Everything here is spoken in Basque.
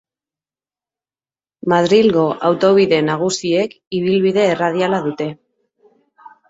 Madrilgo autobide nagusiek ibilbide erradiala dute.